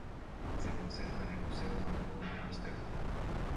Se conserva en el Museo Van Gogh de Ámsterdam.